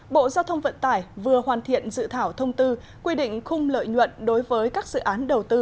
bộ giao thông vận tải vừa hoàn thiện dự thảo thông tư quy định khung lợi nhuận đối với các dự án đầu tư